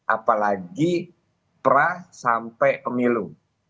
apalagi pra sampai pemilu